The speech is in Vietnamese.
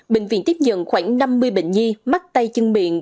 bệnh viện tiếp nhận khoảng năm mươi bệnh nhi mắc tay chân miệng